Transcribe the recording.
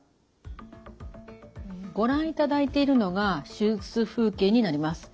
ご覧いただいているのが手術風景になります。